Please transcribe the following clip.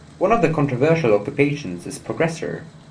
One of the controversial occupations is progressor.